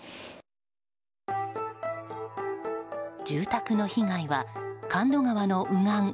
住宅の被害は神戸川の右岸